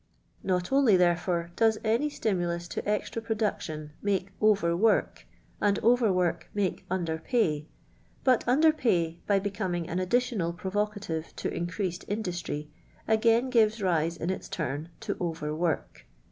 N«)t only, therefore, does any stimulus to extra pri»dtiction mak' over work, and o\rr work make under pay: 1 ut under pay, by becoming an additional j'rovi.cali\e to increji' ed industry. ;igain gives ri>ie in its turn to over wurk.